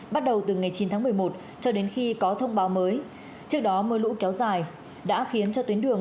bắt đầu từ ngày chín tháng một mươi một cho đến khi có thông báo mới trước đó mưa lũ kéo dài đã khiến cho tuyến đường